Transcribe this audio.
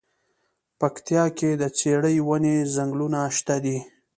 پکتيا کی د څیړۍ ونی ځنګلونه شته دی.